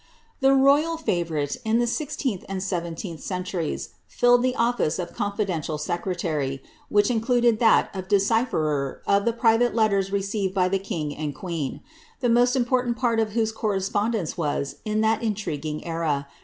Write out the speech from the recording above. The royal favourite, in the sixteenth and sevcnleenih centuries, lilW the office of conlidential secretary, which included that of decipherer i f llie private letters received by the king and queen — the most impiinant part of wliose correspondence was, in that intriguing era.